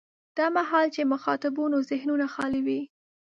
دا مهال چې مخاطبانو ذهنونه خالي وي.